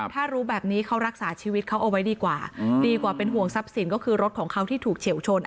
ถ้ารู้แบบนี้เขารักษาชีวิตเขาเอาไว้ดีกว่าดีกว่าเป็นห่วงทรัพย์สินก็คือรถของเขาที่ถูกเฉียวชน